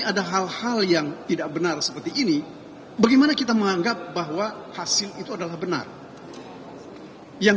ada hal hal yang tidak benar seperti ini bagaimana kita menganggap bahwa hasil itu adalah benar yang